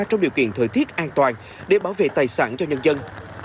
trong điều kiện thời tiết an toàn để bảo vệ tài sản cho nhân dân